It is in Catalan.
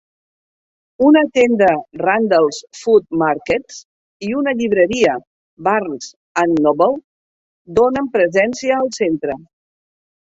Una tenda Randall's Food Markets i una llibreria Barnes and Noble donen presència al centre.